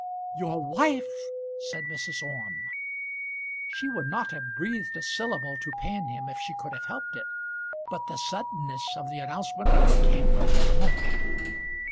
"Your wife!" said Mrs. Orme. She would not have breathed a syllable to pain him if she could have helped it, but the suddenness of the announcement overcame her for a moment.